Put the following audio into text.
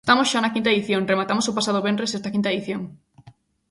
Estamos xa na quinta edición, rematamos o pasado venres esta quinta edición.